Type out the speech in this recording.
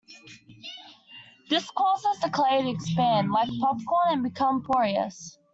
This causes the clay to expand, like popcorn, and become porous.